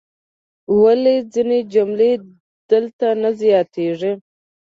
ولې ځینې جملې دلته نه زیاتیږي؟